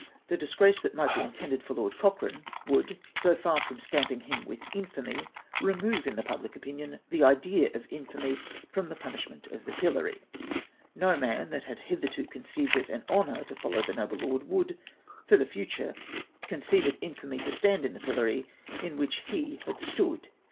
The disgrace that might be intended for Lord Cochrane, would, so far from stamjiing him with infamy, remove in the public opinion the idea of infamy from the punishment of the pillory. No man, that had hitherto conceived it an honour to follow the noble Lord would, for the future, conceive it infamy to stand in the pil lory in which he had stood.